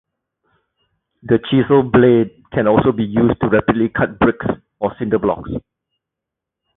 The chisel blade can also be used to rapidly cut bricks or cinder blocks.